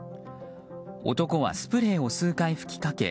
男はスプレーを数回吹きかけ